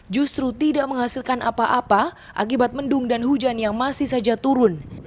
justru tidak menghasilkan apa apa akibat mendung dan hujan yang masih saja turun